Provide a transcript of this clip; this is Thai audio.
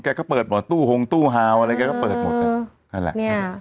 เจ้าก็เปิดะแป่นก็เปิดหมดเนี่ย